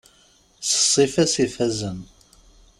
S ssifa-s ifazen.